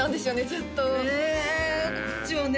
ずっとへえこっちはね